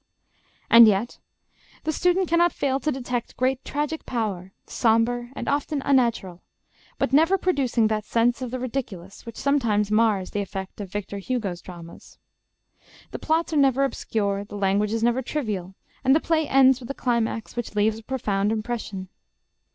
And yet the student cannot fail to detect great tragic power, sombre and often unnatural, but never producing that sense of the ridiculous which sometimes mars the effect of Victor Hugo's dramas. The plots are never obscure, the language is never trivial, and the play ends with a climax which leaves a profound impression.